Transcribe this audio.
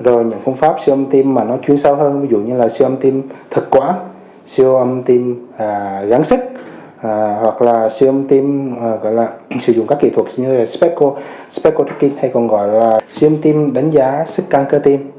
rồi những phương pháp siêu âm tim mà nó chuyên sâu hơn ví dụ như là siêu âm tim thực quá siêu âm tim gắn sức hoặc là siêu âm tim gọi là sử dụng các kỹ thuật như là spacco specorting hay còn gọi là siêu âm tim đánh giá sức căng cơ tim